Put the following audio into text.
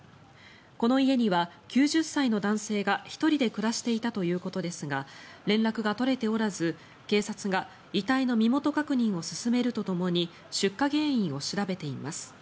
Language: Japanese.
この家には９０歳の男性が１人で暮らしていたということですが連絡が取れておらず、警察が遺体の身元確認を進めるとともに出火原因を調べています。